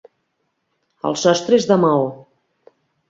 El sostre és de maó.